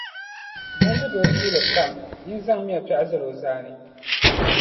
buŋdibbil’ tuuli kam, yin’ zaŋmiya piɛɣu zal’ o zaani.